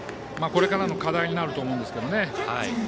これからの課題になると思うんですけどね。